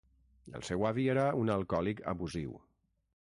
El seu avi era un alcohòlic abusiu.